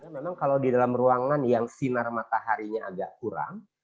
memang kalau di dalam ruangan yang sinar mataharinya agak kurang